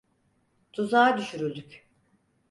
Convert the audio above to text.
Tuzağa düşürüldük.